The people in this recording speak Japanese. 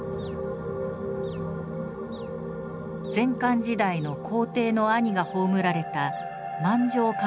前漢時代の皇帝の兄が葬られた満城漢墓です。